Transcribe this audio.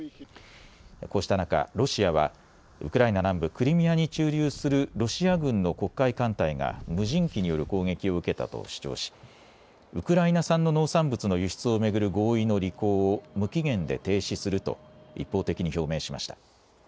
こうした中、ロシアはウクライナ南部クリミアに駐留するロシア軍の黒海艦隊が無人機による攻撃を受けたと主張しウクライナ産の農産物の輸出を巡る合意の履行を無期限で停止すると一方的に表明しました。